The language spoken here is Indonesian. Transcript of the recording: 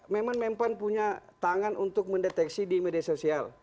memang mempan punya tangan untuk mendeteksi di media sosial